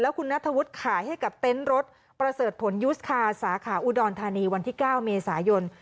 คุณนัทธวุฒิขายให้กับเต็นต์รถประเสริฐผลยูสคาร์สาขาอุดรธานีวันที่๙เมษายน